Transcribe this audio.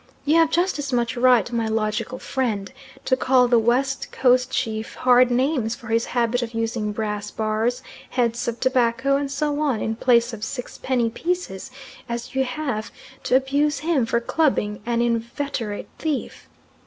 You have just as much right, my logical friend, to call the West Coast Chief hard names for his habit of using brass bars, heads of tobacco, and so on, in place of sixpenny pieces, as you have to abuse him for clubbing an inveterate thief.